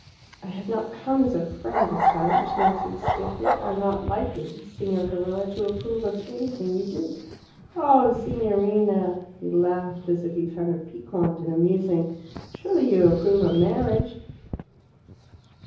"I have not come as a friend this time," she answered stiffly. "I am not likely, Signor Carella, to approve of anything you do." "Oh, Signorina!" He laughed, as if he found her piquant and amusing. "Surely you approve of marriage?"